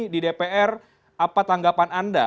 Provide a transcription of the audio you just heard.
di dpr apa tanggapan anda